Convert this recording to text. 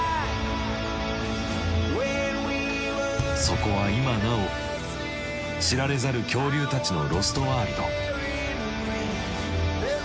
そこは今なお知られざる恐竜たちのロストワールド。